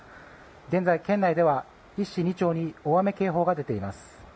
現在、県内では１市２町に大雨警報が出ています。